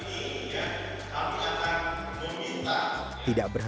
jadiven kristina langsung ber forbansi berbnik